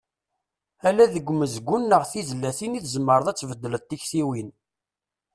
Ala deg umezgun neɣ tizlatin i tzemreḍ ad tbeddleḍ tiktiwin.